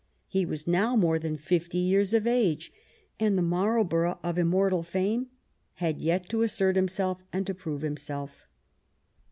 He was now more than fifty years of age, and the Marlborough of immortal fame had yet to assert himself and to prove himself.